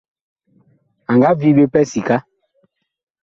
A nga vii ɓe pɛ sika.